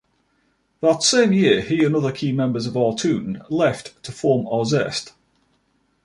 That same year, he and other key members of Artoon left to form Arzest.